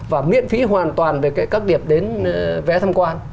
và miễn phí hoàn toàn về các điểm đến vé tham quan